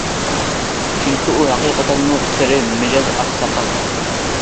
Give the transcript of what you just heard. چۈنكى ئۇ ھەقىقەتەنمۇ قېرى مىجەز، ئاقساقال.